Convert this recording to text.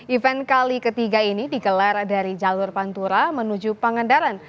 event kali ketiga ini digelar dari jalur pantura menuju pangandaran